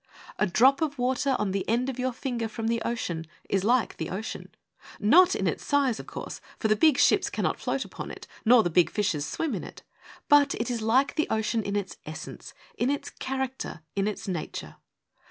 A drop of water on the end of your finger from the ocean is like the ocean : not in its size, of course, for the big ships cannot float upon it, nor the big fishes swim in it ; but it is like the ocean in its essence, in its character, in its nature.